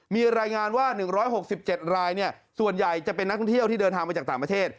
มีรายงานว่า๑๖๗รายส่วนใหญ่จะเป็นนักท่องเที่ยวที่เดินทางมาจากต่างประเทศ